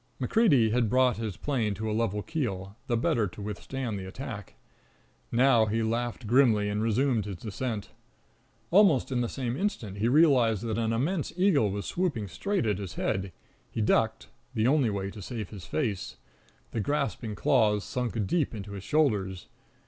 MacCreedy had brought his plane to a level keel, the better to withstand the attack. Now he laughed grimly and resumed his descent. Almost in the same instant he realized that an immense eagle was swooping straight at his head. He ducked the only way to save his face. The grasping claws sunk deep into his shoulders.